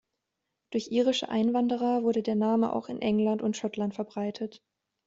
Durch irische Einwanderer wurde der Name auch in England und Schottland verbreitet.